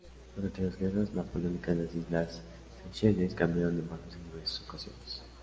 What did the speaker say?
Durante las Guerras Napoleónicas las islas Seychelles cambiaron de manos en diversas ocasiones.